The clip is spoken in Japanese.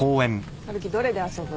春樹どれで遊ぶ？